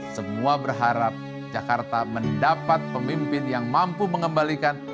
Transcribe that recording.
semua berharap jakarta mendapat pemimpin yang mampu mengembalikan